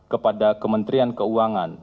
kepada kementerian keuangan